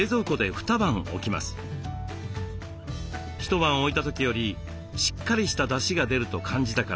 一晩置いた時よりしっかりしただしが出ると感じたからです。